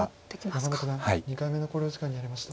山田九段２回目の考慮時間に入りました。